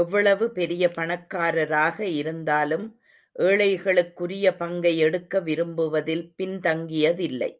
எவ்வளவு பெரிய பணக்காரராக இருந்தாலும் ஏழைகளுக்குரிய பங்கை எடுக்க விரும்புவதில் பின்தங்கியதில்லை.